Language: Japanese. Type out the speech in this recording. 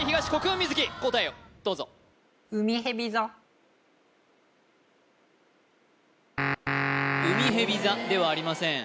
雲瑞貴答えをどうぞうみへび座ではありません國